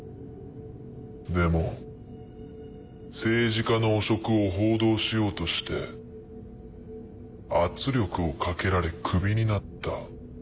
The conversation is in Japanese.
でも政治家の汚職を報道しようとして圧力をかけられクビになった。